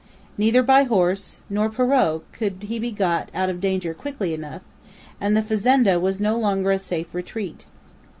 Neither by horse not pirogue could he be got out of danger quickly enough, and the fazenda was no longer a safe retreat.